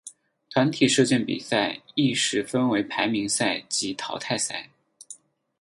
团体射箭比赛亦是分为排名赛及淘汰赛。